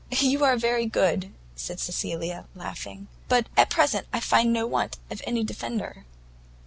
"You are very good," said Cecilia, laughing, "but at present I find no want of any defender."